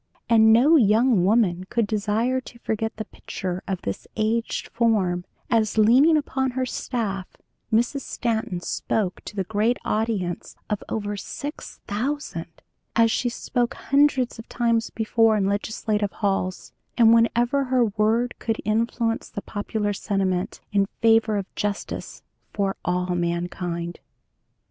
And no young woman could desire to forget the picture of this aged form as, leaning upon her staff, Mrs. Stanton spoke to the great audience of over six thousand, as she had spoken hundreds of times before in legislative halls, and whenever her word could influence the popular sentiment in favor of justice for all mankind."